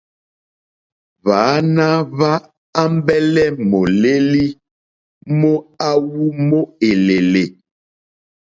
Hwàana hwa ambɛlɛ mòlèli mo awu mo èlèlè.